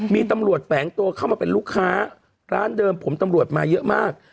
มีตำรวจแฝงตัวเข้ามาเป็นลูกค้าร้านเดิมผมตำรวจมาเยอะมาก